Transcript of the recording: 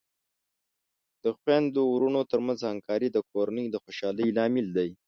د خویندو ورونو ترمنځ همکاري د کورنۍ د خوشحالۍ لامل دی.